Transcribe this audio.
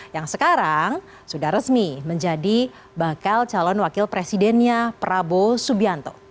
yang sekarang sudah resmi menjadi bakal calon wakil presidennya prabowo subianto